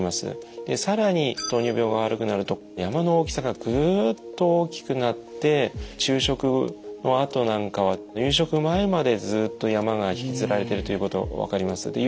で更に糖尿病が悪くなると山の大きさがグッと大きくなって昼食のあとなんかは夕食前までずっと山が引きずられてるということ分かります。